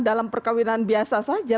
dalam perkawinan biasa saja